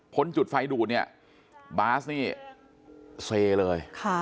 จุดไฟดูดเนี่ยบาสนี่เซเลย